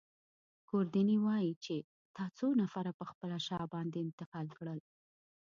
ګوردیني وايي چي تا څو نفره پر خپله شا باندې انتقال کړل.